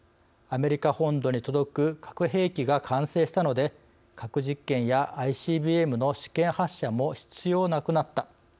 アメリカ本土に届く核兵器が完成したので核実験やＩＣＢＭの試験発射も必要なくなった。